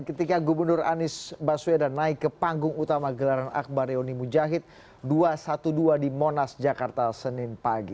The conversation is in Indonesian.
ketika gubernur anies baswedan naik ke panggung utama gelaran akbar reuni mujahid dua ratus dua belas di monas jakarta senin pagi